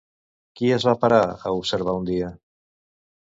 Què es va parar a observar un dia?